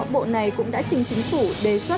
bộ này cũng đã trình chính phủ đề xuất